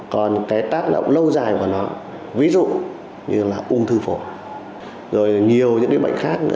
còn cái tác động lâu dài của nó ví dụ như là ung thư phổi rồi nhiều những bệnh khác nữa